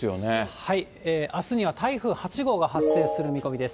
あすには台風８号が発生する見込みです。